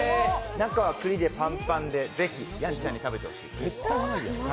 中は栗でパンパンで、ぜひ、やんちゃんに食べてほしい。